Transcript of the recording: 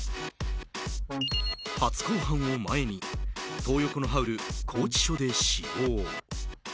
初公判を前にトー横のハウル、拘置所で死亡。